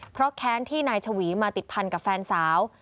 เพราะแค้นที่นายชวีมาติดพันกับแฟนสาว